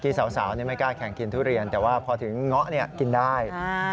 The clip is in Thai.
เมื่อกี้สาวไม่กล้าแขนกินทุเรียนแต่ว่าพอถึงเหงานี่กินได้